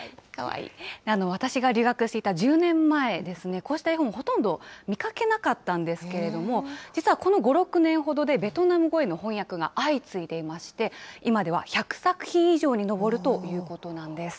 私が留学していた１０年前ですね、こうした絵本、ほとんど見かけなかったんですけれども、実はこの５、６年ほどでベトナム語への翻訳が相次いでいまして、今では１００作品以上に上るということなんです。